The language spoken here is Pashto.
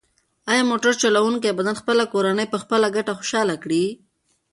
ایا موټر چلونکی به نن خپله کورنۍ په خپله ګټه خوشحاله کړي؟